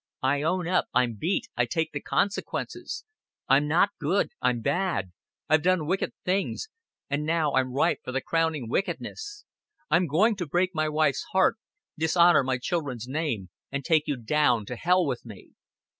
I own up, I'm beat, I take the consequences. I'm not good, I'm bad. I've done wicked things, and now I'm ripe for the crowning wickedness. I'm going to break my wife's heart, dishonor my children's name, and take you down to hell with me."